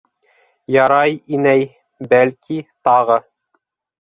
Ярай, инәй, бәлки, тағы...